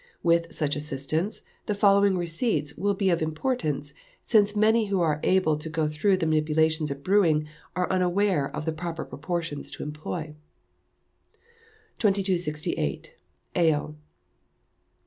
With such assistance, the following receipts will be of importance, since many who are able to go through the manipulations of brewing are unaware of the proper proportions to employ: 2268. Ale.